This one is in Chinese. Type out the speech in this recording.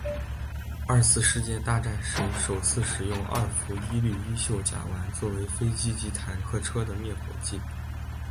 二次世界大战时首次使用二氟一氯一溴甲烷作为飞机及坦克车的灭火剂。